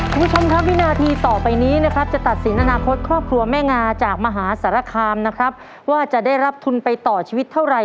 ก็ต้องมาลุ้นกันและเอาใจช่วยนะคะว่าครอบครัวของแม่งาจะสามารถคว้าเงินหนึ่งล้านบาทกลับบ้านได้หรือไม่สักครู่เดียวในเกมต่อชีวิตครับ